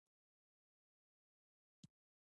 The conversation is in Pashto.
قانون د ملي شورا مصوبه ده.